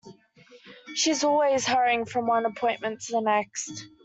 She is always hurrying from one appointment to the next.